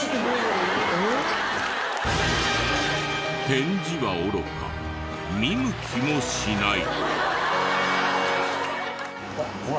返事はおろか見向きもしない。